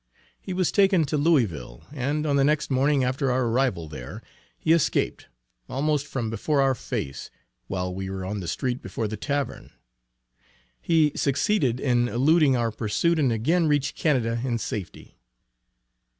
He was taken to Louisville, and on the next morning after our arrival there, he escaped, almost from before our face, while we were on the street before the Tavern. He succeeded in eluding our pursuit, and again reached Canada in safety.